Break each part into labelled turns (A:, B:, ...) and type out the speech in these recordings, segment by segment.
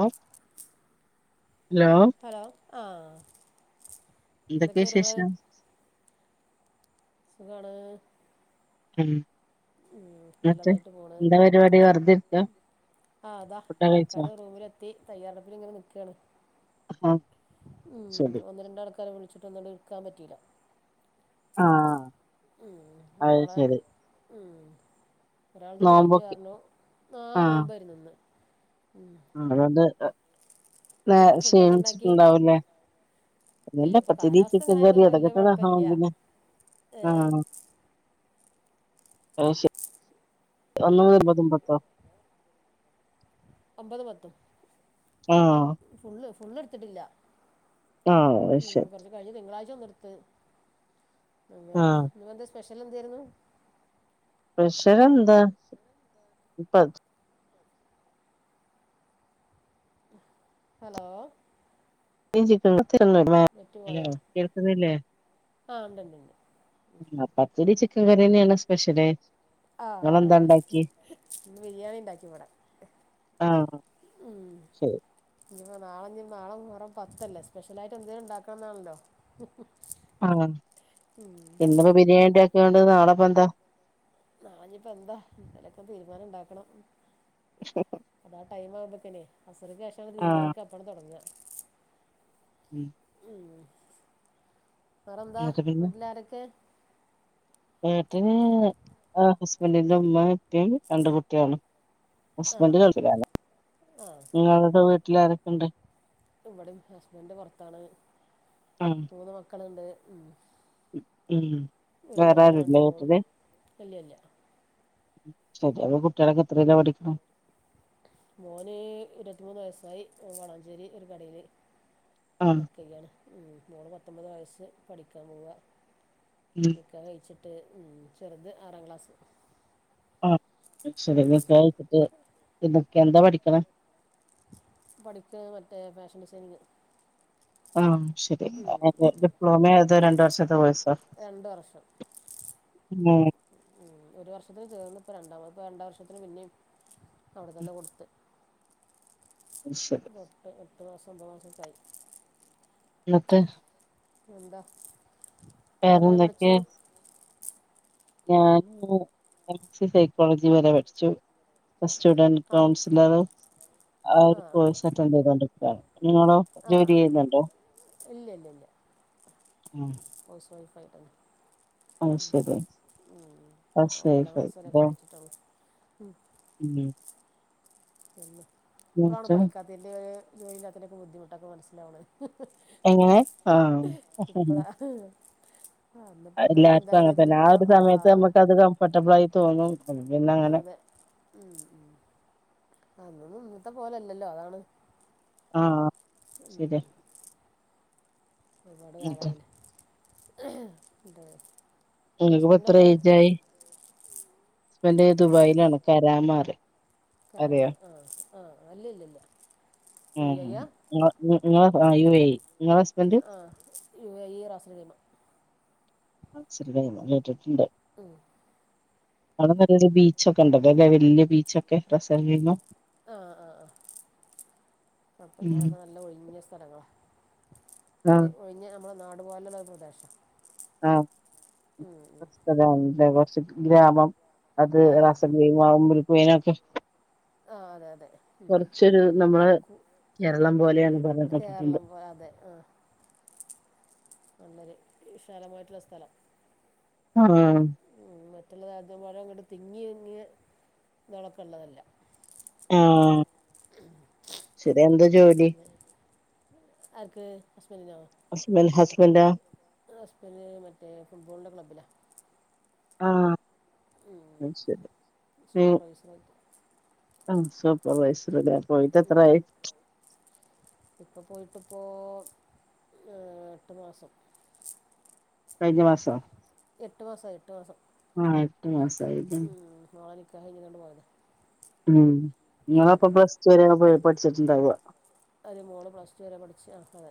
A: ആ ലോ
B: ആ
A: എന്തൊക്കെയ വിശേഷം
B: സുഖാണ്
A: ഉം,
B: ഉം
A: എന്നട്ട്
B: നല്ലതായിട്ട്
A: എന്താ പരിപാടി വെറതെ ഇരിക്കാ
B: ആ അതാ
A: ഫുഡൊക്കെ കഴിച്ചോ
B: കടക്കാണ് റൂമീല് തി തയ്യാറെടുപ്പിൽ ഇങ്ങനെ നിക്കണ്
A: ആഹ്
B: ഉം
A: ശരി
B: ഒന്ന് രണ്ടാൾക്കാരെ വിളി [unintelligible] എടുക്കാൻ പറ്റിയില്ല
A: ആഹ്
B: ഉം
A: അയ്ശ
B: ഒരാളെ ഉം ഒരാൾത് കഴിഞ്ഞു
A: നോമ്പൊക്കെ
B: പർഞ്ഞു ആഹ് നോമ്പായിരുന്നു ഇന്ന് ഉം
A: അത് കൊണ്ട് നേ
B: എന്താ ഫുഡൊക്കെ ഉണ്ടാക്കി
A: ക്ഷീണിച്ചിട്ടുണ്ടാവൂല്ലേ
B: ഇല്ല
A: അല്ല
B: ഇപ്പൊ കാലാവസ്ഥ ഇങ്ങനെ ആയതുകൊണ്ട് വല്യ കുഴപ്പമില്ല
A: [unintelligible] പിന്നെ
B: ഏഹ്
A: ആഹ് അത്ശ
B: ഉം
A: [unintelligible] പത്തോ
B: ഒമ്പതും പത്തും
A: ആഹ്
B: ഫുള്ള്ട്ത്തിട്ടില്ല
A: ആഹ് അത്
B: ഉം
A: ശരി
B: കൊർച്ച് കഴിഞ്ഞ തിങ്കളാഴ്ച ഒന്ന്ട്ത്ത് അങ്ങനെ
A: ആഹ്
B: ഇന്ന്പ്പന്തേ സ്പെഷ്യലെന്തേയ്രുന്നു
A: സ്പെഷ്യലെന്താ ഇപ്പ
B: ഹലോ
A: [unintelligible]
B: നെറ്റ്
A: ഹലോ
B: പോയോ
A: കേൾക്കുന്നില്ലേ
B: ആ ഉ ണ്ട്, ണ്ട്
A: ആ പച്ചടി ചിക്കൻ കറി തന്നെയാണ് സ്പെഷ്യല്
B: ആ, ആ,
A: നിങ്ങളെന്താ ഉണ്ടാക്കി
B: ഇന്ന് ബിരിയാണി ണ്ടാക്കി ഇവിടെ.
A: ആഹ്
B: ഉം, ഇഞ്ഞ് നാളെ നാളെ ഞ്ഞ് മു ഹറം പത്തല്ലേ സ്പെഷ്യൽ ആയിട്ട് എന്തെങ്കിലും ഉണ്ടാക്കണം എന്നാണല്ലോ
A: ആ, ഇന്ന്പ്പോ ബിരിയാണി ആക്കിയോണ്ട് നാളെയപ്പം എന്താ
B: നാളെ ഇപ്പോ എന്താ, എന്തലൊക്കെ തീരുമാനം ഇണ്ടാക്കണം അതാ ടൈം ആവുമ്പക്കനെ അസറിക്ക് ശേഷ
A: ആഹ്
B: തീരുമാനിക്കുക അപ്പാണ് തുടങ്ങ
A: ഉം
B: ഉം, വേറെന്താ
A: എന്നിട്ട്
B: വീട്ടിലാരൊക്കെ
A: വീട്ടില് ഹസ്ബൻന്റിന്റെ ഉമ്മ ഉപ്പ രണ്ട് കുട്ടോളും
B: ആ
A: ഹസ്ബൻഡ്
B: ആ
A: ഗൾഫിലാണ്
B: ആ
A: നിങ്ങളുടെ വീട്ടിൽ ആരൊക്കെണ്ട്?
B: ഇവിടെയും ഹസ്ബൻന്റ് പുറത്താണ്
A: ആഹ്
B: മൂന്ന് മക്കളുണ്ട്. ഉം
A: ഉം
B: ഒരു
A: വേറെ
B: മോനും
A: ആരുല്ലേ
B: രണ്ടു മോളും,
A: വീട്ടില്
B: ഇല്ലല്ല
A: ശരി അവടെ കുട്ടികളക്കെ എത്രിലാ പഠിക്ക്ണേ
B: മോന് ഇരുപത്തിമൂന്ന് വയസ്സായി വളാഞ്ചേരി ഒരു കടയില്
A: ആഹ്
B: വർക്ക്യ്യാണ് ഉ മോള് പത്തൊമ്പത് വയസ്സ് പഠിക്കാൻ പോവ
A: ഉം
B: നികാഹ് കഴിച്ചിട്ട് ഉ ചെറുത് ആറാം ക്ലാസ്സ്
A: ആ ശരി നികാഹ് കഴിച്ചിട്ട് [unintelligible] എന്താ പഠിക്ക് ണേ
B: പഠിക്ക്ണത് മറ്റേ ഫാഷൻ ഡിസൈനിങ്
A: ആ ശരി
B: ഉം.
A: ഡിപ്ലോമ അതോ രണ്ട് വർഷത്തെ കോയ് സോ
B: രണ്ട വർഷം
A: ഉം
B: ഉ ഒരു വർഷത്തിന് ചേർന്നപ്പോൾ രണ്ടാ ഇപ്പ രണ്ട വർഷത്തിന് പിന്നേ അവിടെ തന്നെ കൊടുത്ത്
A: ശരി
B: എട്ട് എട്ട് മാസം ഒമ്പത് മാസംക്കെ ആയി
A: ഇന്നട്ട്
B: എന്താ എവിടം വരെ പഠിച്ചു
A: വേറെന്തൊക്കെയാ ഞാന് എംസി സൈക്കോളജി വരെ പഠിച്ചു സ്റ്റുഡന്റ്
B: ആ
A: കൗൺസിലർ ആ ഒരുകോയിസ് അറ്റന്റ് ചെയ്തോണ്ടിരിക്കുകയാണ് നിങ്ങളോ
B: ആ
A: ജോലി
B: ആ ആ
A: ചെയ്യുന്നുണ്ടോ
B: ഇല്ല ഇല്ല ഇല്ല
A: ഉം
B: [inaudible]
A: ആ ശരി
B: ഉം. ഞാൻ
A: ഹൗസ്
B: ഒമ്പതാം
A: വൈഫ്
B: ക്ലാസ് വരെയൊക്കെ
A: തോ
B: പഠിച്ചിട്ടുള്ളൂ ഉം.
A: ഉം
B: പിന്നെ ഇപ്പഴാണ്
A: എന്നിട്ട്
B: പഠിക്കാത്തതിന്റെ ജോലി ഇല്ലാ ത്തെന്റെക്കെ ബുദ്ധിമുട്ടൊക്കെ മനസ്സിലാവ്ണേ
A: എങ്ങനെ ആ
B: ഇപ്പള അന്ന് ഇപ്പ അത്തരം
A: എല്ലാർക്കും അങ്ങനെ
B: ചിന്താഗതിയൊന്നുമില്ല
A: തന്നെ ആ
B: ഇപ്പൊ
A: ഒരു സമയത്ത് നമുക്ക് അത് കംഫോർട്ടബിൾ ആയി തോന്നും പിന്നെ അങ്ങനെ
B: അതെ ഉ ഉ അതൊന്ന ഒന്ന ഇന്നത്തെ പോലല്ലല്ലോ അതാണ്
A: ആ ആ
B: ഉം
A: ശരിയ
B: ഒരുപാട് കാലായിലേ ട്
A: നിങ്ങൾക് പ്പം എത്ര എയ്ജായി ഹസ്ബെന്റ ദുബായിലാണ് കറാമാ റിം
B: കരാമ ആ ആ അല്ലല്ലല്ല യു
A: ഉം
B: ഐ യാ
A: നിങ്ങളെ ആ യു ഐ
B: ആ യു ഐ റസ് റീമ
A: ആ ചെർതായന്ന് കേട്ടിട്ടുണ്ട്
B: ഉം
A: അടെ നല്ലൊരു ബീച്ചൊക്കെ ഉണ്ടല്ലേ ല്ലേ വല്യ ബീച്ചൊക്കെ റസോ കേന്ന്
B: ആ ആ ആ അപ്പ
A: ഉം
B: അവിടെ നല്ല ഒഴിഞ്ഞ സ്ഥലങ്ങള
A: ആഹ്
B: ഒഴിഞ്ഞ നമ്മളെ നാടുപോലള്ള ഒരു പ്രദേശം
A: ആ [unintelligible]
B: ഉം ഉം
A: കുറച്ച് ഗ്രാമം അത്
B: ആ
A: റാസ കെയ്മാവുമ്പോൾപ്പേനൊക്കെ
B: ആ അതെ അതെ
A: കൊറച്ചൊരു നമ്മള്
B: കു
A: കേരളം പോലെയാണ് പറയപ്പെട്ടിട്ടുണ്ട്
B: കേരളം പോലെ അതെ ആ നല്ലൊരു വിശാലമായിട്ടുള്ള സ്ഥലം
A: ഉം
B: ഉം മറ്റുള്ളത് ആദ്യം പഴം അങ്ങട്ട് തിങ്ങി തിങ്ങി ഇളക്കള്ളതല്ല
A: ആം
B: ഉം
A: എന്ത്വാ ജോലി
B: ആർക്ക് ഹസ്ബെന്റിനോ
A: ഹസ്ബെന്റാ
B: ഹസബന്റ് മറ്റേ ഫുട്ബോളിന്റെ ക്ലബ്ബിലാ
A: ആഹ്
B: ആ
A: അത് ശരി ഉം
B: സൂപ്രൈസരായിറ്റ്
A: ആഹ് സൂപ്പർവൈസ്സറ്ല്ലേ
B: ഉം ഇപ്പൊ പോയിട്ട് ഇപ്പോ ഏ എട്ടു മാസം
A: കഴിഞ്ഞ മാസം
B: എട്ട് മാസം ആയി എട്ട് മാസം
A: ആഹ് എട്ട് മാസായില്ലേ
B: ക ഇങ്ങ [unintelligible]
A: ഉം നിങ്ങളപ്പ പ്ലസ് ടു വരെക പോയി പഠിച്ചിട്ടുണ്ടാവാ
B: ഒരു മൂന്ന് പ്ലസ് ടു വരെ പഠിച്ച് ആ അതെ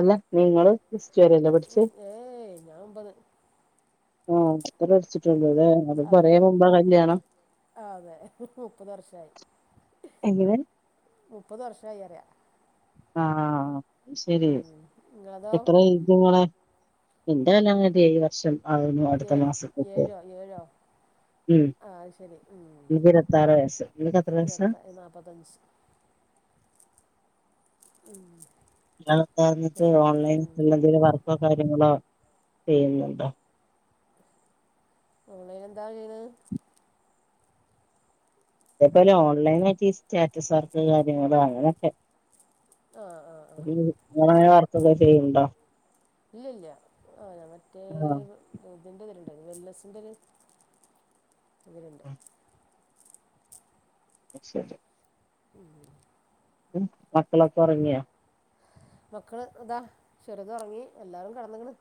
A: അല്ല നിങ്ങള് ടു വരെയല്ലേ പഠിച്ചേ
B: ഏയ് ഞാൻ ഒമ്പത്
A: ആഹ് അത്രേ
B: ഉം.
A: പടിച്ചിട്ടുള്ളൂ അല്ലേ അത് കൊറേ
B: അതെ
A: മുമ്പാ കല്യാണം
B: ആ അതെ ഇപ്പം മുപ്പത് വർഷായി
A: എങ്ങനെ
B: മുപ്പതുവർഷം ആയീന്നറെയാ
A: ആഹ് ശരി
B: നിങ്ങളതോ
A: എത്ര ഇതുങ്ങളെ എന്റെ അനവധിയായി വർഷം ആകുന്നു അടുത്ത മാസത്ത്ക്ക
B: ആഹ് ശരി ഉം
A: ഇരുപത്താറ് വയസ്സ് നിനക്ക് എത്ര വയസ്സാ
B: ഇരുപത്ത നാല്പത്തഞ്ച് ഉം
A: ഇന്നലെ പറഞ്ഞിട്ട് ഓൺലൈൻള്ള
B: അപ്പം
A: എന്തെങ്കിലും
B: അപ്പം
A: വർക്കോ കാര്യങ്ങളോ ചെയ്യ്ന്നെന്താ
B: ഓൺലൈനെന്താ ചെയ്യുന്നത്
A: അതേപോലെ ഓൺലൈന് ആയിട്ട് ഈ സ്റ്റാറ്റസ് വർക്ക് കാര്യങ്ങള് അങ്ങനെയൊക്കെ
B: ആ ആ ആ
A: അങ്ങനെ വാർത്തക്കെ ചെയ്യണ്ടോ
B: ഇല്ലില്ല ആ ഞങ മറ്റേ
A: ആഹ്
B: ഇതിന്റെ തരും വെല്ലസിന്റെ ഒരു ഇവലണ്ട്
A: [unintelligible]
B: ഉം
A: ഉം മക്കളൊക്കൊറങ്ങിയാ
B: മക്കള് ഇതാ ചെറ്തൊറങ്ങി എല്ലാരും കിടന്നക്ക്ണ്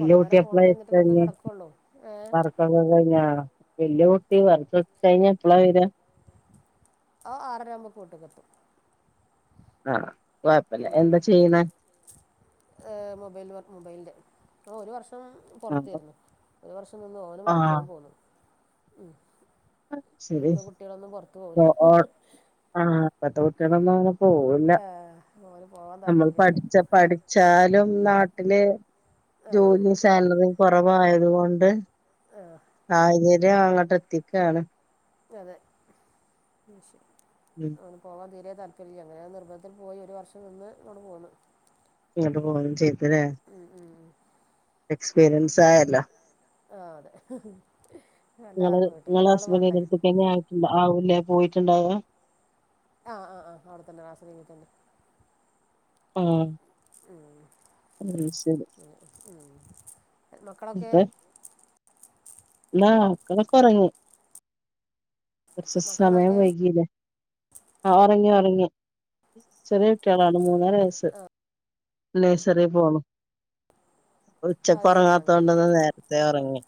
A: ഇന്നൂട്ടി അപ്പ്ലൈ [unintelligible]
B: ഏ
A: വർക്കൊള്ളത് ഞാ വല്യ കുട്ടി വർക്കൊക്കെ കഴിഞ്ഞ് എപ്പളാ വര്വാ
B: ഓ ആറരാകുമ്പോ കൂട്ട്കെത്തും
A: ആഹ് കൊഴപ്പല്ല എന്താ ചെയ്യ്ണേ
B: മൊബൈൽ മൊബൈലിൻ്റെ ഓഹ് ഒരു വർഷം [unintelligible]
A: ആഹ്
B: പൊറത്തേര്ന്നു ഒരു വർഷം നിന്ന് ഓനു മടുത്തു ഓൻ പോന്നു ഉം
A: അത് ശരി
B: ഇപ്പൊ കുട്ടികളൊന്നും പൊർത്തു
A: ഓ
B: പോവൂലാ
A: ഓ ആഹ് ഇപ്പത്തെ കുട്ട്യാളൊന്നും അങ്ങനെ പോവില്ല
B: ഓന് പോകാൻ
A: നമ്മള്
B: താല്പര്യമില്ല
A: പഠിച്ച പഠിച്ചാലും ന്നാട്ടില്
B: ആഹ്
A: ജോലിയും സാലറിയും കുറവായത്കൊണ്ട്
B: ആഹ്
A: സാഹചര്യം അങ്ങട്ട് എത്തിക്കാണ്
B: അതെ ഉം ശരി
A: ഉം
B: ഓന് പോവാൻ തീരെ താല്പര്യല്ല അങ്ങനെ ആ നിർബന്ധം പോയി ഒരു വർഷം നിന്ന് ഇങ്ങോണ്ട് പോന്ന്
A: ങ്ങണ്ട് പോരും ചെയ്
B: ഉം ഉം ഉം
A: എക്സ്പീരിയൻസ് ആയല്ലോ
B: ആഹ് തെ.
A: ഇങ്ങള് ഇങ്ങളെ
B: വേണ്ടേ
A: ഹസ്ബന്റിന്റെട്ത്ത്ക്കന്നെ ആയിര്ക്ക് ആവും ല്ലേ? പോയിട്ട്ണ്ടാവ
B: ആഹ് ആഹ് ആഹ് അവ്ടെത്തന്നെ രാസ ഖൈമേ തന്നെ.
A: ഉം.
B: [inaudible] മക്കളൊക്കെ
A: ആഹ് മക്കളൊക്കെ ഒർങ്ങി. കൊർച്ച് സമയം
B: മക്കളൊക്കെ
A: വൈകില്ലേ. ആ ഒറങ്ങി ഒറങ്ങി. ചെറിയ ട്ട്യാളാണ് മൂന്നര വയസ്സ്.
B: ആഹ്
A: ലെയ്സറി പോണു. ഉച്ചക്ക്
B: അത് ശരി അങ്ങനെ
A: ഒർങ്ങാത്തോണ്ട് ന്ന് നേര്ത്തെ
B: ആഹ് ആഹ്
A: ഒർങ്ങി.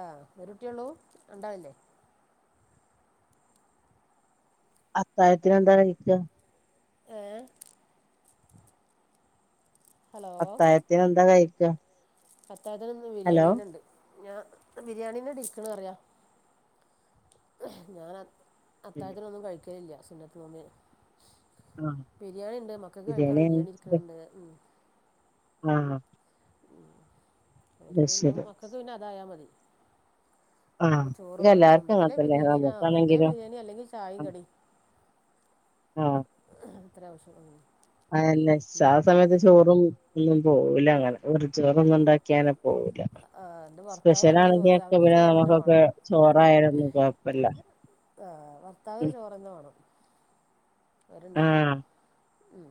B: ആഹ് ഒരുട്ടി ഉള്ളൂ. രണ്ടാള് ല്ലേ?
A: അത്തായത്തിന് എന്താ കഴിക്കാ?
B: ഏഹ് ഹലോ
A: അത്തായത്തിന് എന്താ കഴിക്ക?
B: അത്തായത്തിന് ന്ന്
A: ഹലോ
B: ബിരിയാണിന്നെണ്ട്. ഞാ ബിരിയാണിന്നെ [unintelligible] അറയാ. ഞാന് അത്താഴത്തിനൊന്നും കഴിക്കലില്ല സുന്നത്ത് നോമ്പിന്.
A: ആ
B: ബിരിയാണിണ്ട്. മക്കക്ക് കഴിക്കാൻ ബിരിയാണി ഇരിക്ക്ണ്ണ്ട്. ഉം
A: ആഹ്.
B: ഓർക്ക് പിന്നെ മക്കക്ക് പിന്നെ അതായാ മതി.
A: ആ
B: ഓല്ക്ക് ചോറ് വാണ്ട
A: എല്ലാർക്കും
B: ഒന്ന്ക്കല്
A: അങ്ങനത്തന്നെ
B: ബിരിയാണി ആ ഒന്ന്ക്കല്
A: നമുക്കാണെങ്കിലും
B: ബിരിയാണി അല്ലെങ്കി ചായിം കടിം.
A: ആഹ്.
B: അത്രേ ആവശ്യള്ളു
A: അതെല്ലാ ആ സമയത്ത് ചോറും ഒന്നും പോവൂല്ലങ്ങനെ. വെറും ചോറൊന്നുംണ്ടാക്കിയാല പോവുലാ ആഹ്
B: എൻ്റെ ഭർത്താവ് കടലിൽ
A: സ്പെഷ്യലാണെങ്കി ഒക്കെ
B: അവർക്ക്
A: പിന്നെ
B: ചോറ് തന്നെ
A: നമുക്കൊക്കെ
B: വേണം
A: ചോറായാലൊന്നു കൊഴപ്പല്ല
B: ആഹ് ഭർത്താവിന് ചോറന്നെ വാണം
A: ആ
B: വരുണ്ടെങ്കി ഉം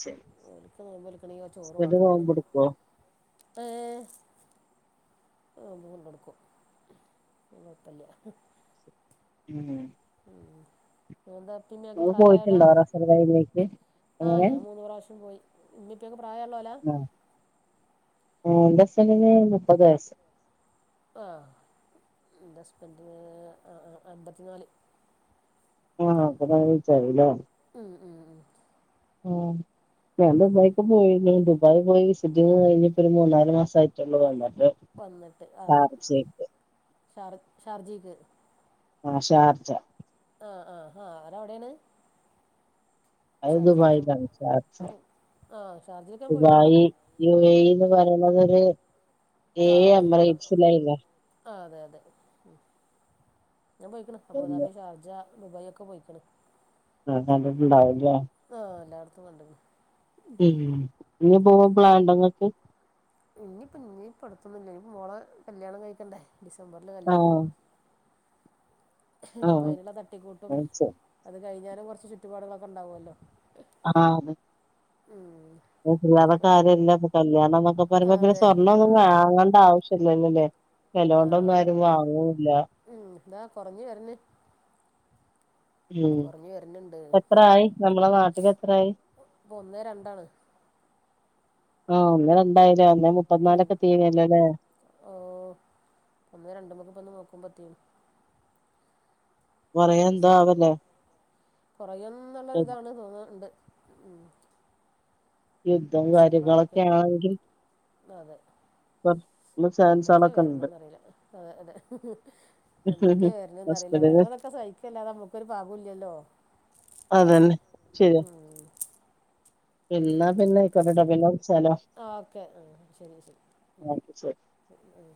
A: ശരി
B: [unintelligible]
A: ഹസ്ബന്റ് നോമ്പെട്ക്കോ
B: ഏഹ് ആവുമ്പം കൊണ്ടൊട്ക്കും [unintelligible] കൊഴപ്പല്ല
A: ഉം
B: എന്താ
A: ഇങ്ങള് പോയിട്ട്ണ്ടോ [unintelligible]
B: ആഹ് ഞാൻ മൂന്നു പ്രാവശ്യം പോയി ഇമ്മിം ഇപ്പിയൊക്കെ പ്രായള്ളോലാ
A: ഏഹ്‌ ഇന്റെ ഹസ്ബന്റ്ന് മുപ്പത്ത് വയസ്സ്
B: ആ എന്റെ ഹസബന്റിന് അമ്പത്തിനാല്
A: ആഹ [unintelligible]
B: ഉം ഉം ഉം
A: ഓ ഞാൻ ദുബായിക്ക് പോയിരുന്നു ദുബായി പോയി വി സിറ്റിങ്ങ്കഴിഞ്ഞപ്പോ ഒരു മൂന്നാല് മാസം ആട്ടുള്ളൂ വന്നിട്ട്
B: വന്നിട്ട് ആഹ
A: ഷാർജക്ക്
B: ഷാർജിക്ക്
A: ആഹ ഷാർജ
B: ആ ആ ആാ ആരവിടെയാണ്
A: അത് ദുബായിലാ ഷാർജ
B: ആ ഷാർജയിലൊക്കെ ഞാൻ പോയിട്ടുണ്ട്
A: ദുബായി യു എ
B: ഉം
A: ഇ പറയണതരു ഏ
B: ആ
A: എമ്മറയന്റ് ഫുൾ ആയില്ല
B: അ ഞാൻ
A: ഒന്ന്
B: പോയിക്ക്ണ്അബുദാബി ഷാർജ ദുബായി ഒക്കെ പോയിക്ക്ണ്
A: ആ കണ്ട്ട്ട്ണ്ടാവുലാ
B: ആഹ എല്ലായിടത്തും കണ്ട് ക്ണു
A: ഉ ഇനി പോവാ പ്ലാൻണ്ടങ്ങക്ക്
B: ഇനിയിപ്പ ഇനിയിപ്പ അടുത്തൊന്നും ഇല്ല ഇനി മോളെ കല്യാണം കഴിക്കണ്ടേ ഡിസംബറില് കല്യാണം
A: ആഹ്
B: ഇനിപ്പോ
A: ആഹ്
B: അതിനുള്ള തട്ടിക്കൂട്ടും
A: ആഹ്
B: അത് കഴിഞ്ഞാലും കൊറച്ച് ചുറ്റുപാടുകളൊക്കെ ഉണ്ടാവുമല്ലോ
A: ആഹ
B: ഉം
A: തൊ
B: ഇപ്പം
A: കാര്യമ ഇല്ല ഇപ്പൊ കല്യാണം എന്നൊക്കെ പറയ്പോ പിന്നെ
B: അതെ
A: സ്വർണ്ണം
B: ആ
A: ഒന്നുംങ്ങേണ്ട ആവശ്യം ഇല്ലല്ലല്ലേ വെലൊണ്ട് ഒന്നും ആരും വാങ്ങൂല
B: എന്താ കുറഞ്ഞ് വരന്ന്
A: ഉം എത്രായി നമ്മളെ നാട്ടില് എത്രായി
B: ഇപ്പൊ ഒന്ന് രണ്ടാണ്
A: ആഹ അങ്ങനെ ഉണ്ടായി
B: ഉം ഓ ഒന്ന് രണ്ടുമക്കിപ്പന്ന് നോക്കുമ്പ പറ്റും
A: കൊറേ എന്തോ
B: ഡിസംബർ
A: ആവല്ലേ
B: കൊറയന്നുള്ളരിതാണ് തോന്നുണ്ട് ഉം
A: യുദ്ധം
B: ഡിസംബർ ആവുമ്പോക്ക്
A: കാര്യങ്ങളൊക്കെ ആണെങ്കിൽ
B: അതെ
A: കുറച്ച്
B: എന്തൊക്കെയാ
A: ചാൻസുകളൊക്കെ ഉണ്ട്
B: വരണന്ന്റിയില്ല അെ അതെ എന്തൊക്കെയാ വരണറ
A: ഹോസ്പിറ്റല്
B: വെറതൊക്കെ സഹിക്കല്ലാ നമുക്കൊരു പാാവം ഇില്ലല്ലോ
A: അതന്നെ ശരിയാ പിന്നാ പിന്നെ
B: അതല്ലേ
A: ഇക്കോട പിന്നെ വിളിച്ചാലോ
B: ഓക്കെ ആ ശരി ശരി
A: ഓക്കെ ശരി
B: ഉം